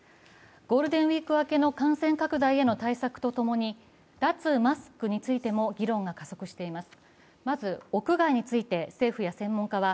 ゴールデンウイーク明けの感染拡大への対策と共に脱マスクについても議論が加速しています。